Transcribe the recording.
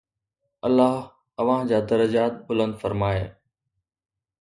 الله اوهان جا درجات بلند فرمائي.